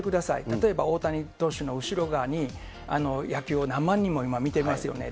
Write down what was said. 例えば大谷投手の後ろ側に、野球を何万人も今、見てますよね。